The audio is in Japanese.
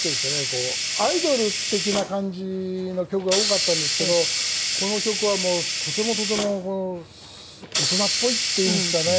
こうアイドル的な感じの曲が多かったんですけどこの曲はもうとてもとてもこの大人っぽいっていうんですかね。